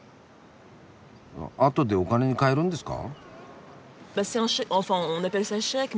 あとでお金に換えるんですか？